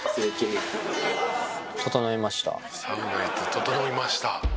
「整いました」